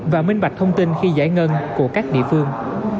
và minh bạch thông tin khi giải ngân của các địa phương